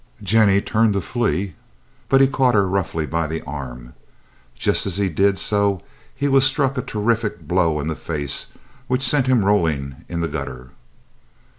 Jennie turned to flee, but he caught her roughly by the arm. Just as he did so, he was struck a terrific blow in the face, which sent him rolling in the gutter.